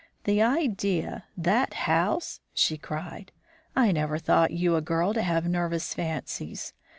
"The idea! that house!" she cried. "I never thought you a girl to have nervous fancies.